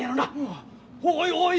「おいおい」